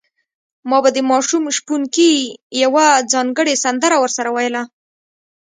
ما به د ماشوم شپونکي یوه ځانګړې سندره ورسره ویله.